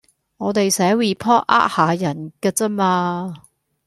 我哋寫 Report 呃下人㗎咋嘛